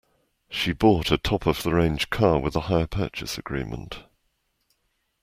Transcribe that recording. She bought a top-of-the-range car with a hire purchase agreement